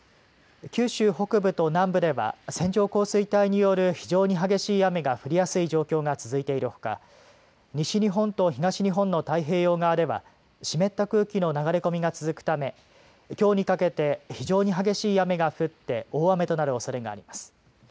九州北部と南部では線状降水帯による非常に激しい雨が降りやすい状況が続いているほか西日本と東日本の太平洋側では湿った空気の流れ込みが続くためきょうにかけて非常に激しい雨が降って大雨となるおそれがあります。